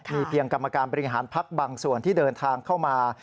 มีเพียงกรรมการบริหารพักบางส่วนที่เดินทางเข้ามา